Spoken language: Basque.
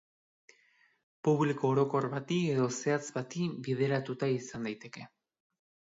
Publiko orokor bati edo zehatz bati bideratuta izan daiteke.